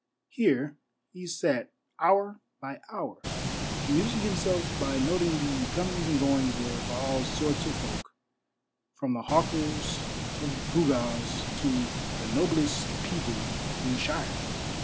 Here he sat hour by hour, amusing himself by noting the comings and goings of all sorts of folk, from the hawkers of gewgaws to the noblest people in the shire.